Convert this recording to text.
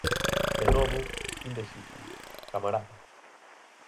De novo, fin de cita, camarada.